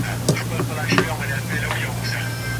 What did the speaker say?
افغان ډاکټران د پوره قانوني خوندیتوب حق نه لري.